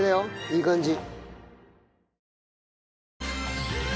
いい感じ。